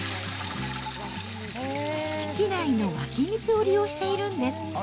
敷地内の湧き水を利用しているんです。